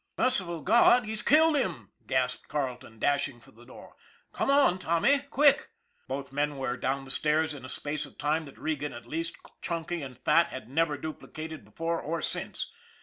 " Merciful God! He's killed him! " gasped Carle ton, dashing for the door. " Come on, Tommy. Quick!" Both men were down the stairs in a space of time that Regan, at least, chunky and fat, has never dupli cated before or since.